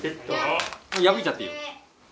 破いちゃっていいよ。